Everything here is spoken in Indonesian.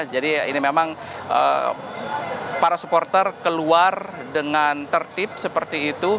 jadi ini memang para supporter keluar dengan tertib seperti itu